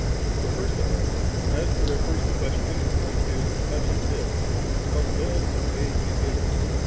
94. For &rst of all, as to their first qaestioo, which is such as this, how dull and vague it b !